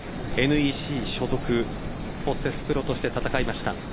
ＮＥＣ所属ホステスプロとして戦いました。